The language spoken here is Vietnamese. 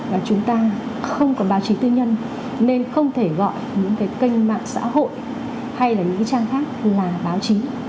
và chúng ta không có báo chí tư nhân nên không thể gọi những cái kênh mạng xã hội hay là những cái trang khác là báo chí